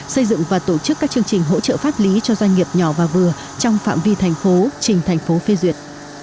xây dựng và tổ chức các chương trình hỗ trợ pháp lý cho doanh nghiệp nhỏ và vừa trong phạm vi thành phố trình thành phố phê duyệt